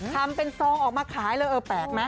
ทำเป็นซองออกมาขายเลยเออแปลกนะ